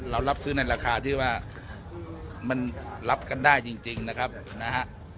รับซื้อในราคาที่ว่ามันรับกันได้จริงนะครับนะฮะ